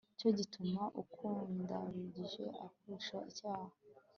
cyo gituma ukungabije akurusha icyaha